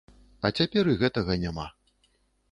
А цяпер і гэтага няма.